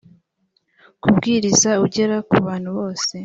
kubwiriza ugera ku bantu bose